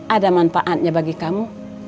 ada manfaatnya bagi kamu